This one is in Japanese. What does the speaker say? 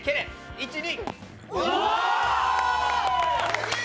１、２。